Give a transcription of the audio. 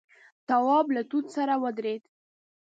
تواب له توت سره ودرېد.